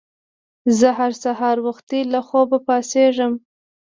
زه هر سهار وختي له خوبه پاڅیږم.